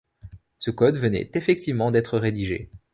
Ce code venait effectivement d'être rédigé.